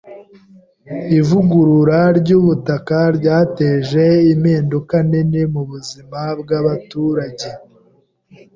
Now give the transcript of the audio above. Ivugurura ryubutaka ryateje impinduka nini mubuzima bwabaturage.